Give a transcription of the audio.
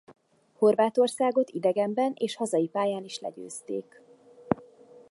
Horvátországot idegenben és hazai pályán is legyőzték.